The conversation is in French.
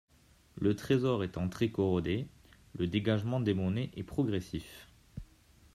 Le trésor étant très corrodé, le dégagement des monnaies est progressif.